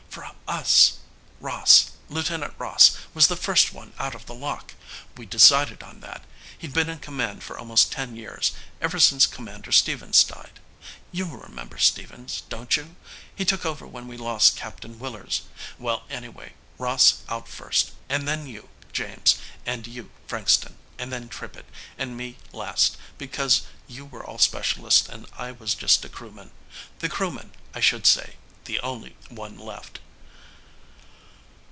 For us. Ross Lt. Ross was the first one out of the lock. We'd decided on that; he'd been in command for almost ten years, ever since Commander Stevens died. You remember Stevens, don't you? He took over when we lost Captain Willers. Well, anyway, Ross out first, and then you, James, and you, Frankston, and then Trippitt, and me last, because you were all specialists and I was just a crewman. The crewman, I should say, the only one left.